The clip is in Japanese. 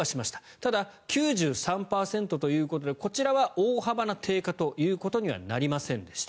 ただ、９３％ということでこちらは大幅な低下とはなりませんでした。